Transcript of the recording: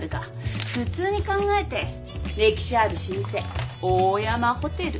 普通に考えて歴史ある老舗オーヤマホテル。